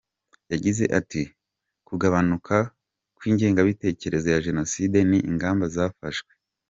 Yagize ati “Kugabanuka kw’ingengabitekerezo ya Jenoside ni ingamba zafashwe.